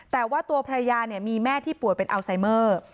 แต่ว่าตัวภรรยามีแม่ที่ป่วยเป็นอัลไซเมอร์